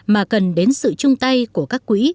mà cần đến sự chung tay của các quỹ